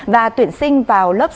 và tuyển sinh vào lớp sáu